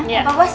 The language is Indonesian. sama pak bos